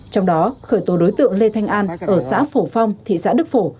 trong đó khởi tố đối tượng lê thanh an ở xã phổ phong thị xã đức phổ